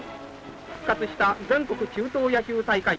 復活した全国中等野球大会。